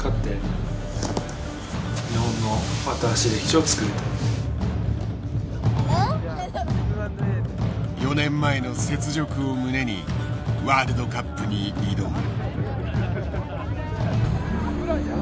勝って４年前の雪辱を胸にワールドカップに挑む。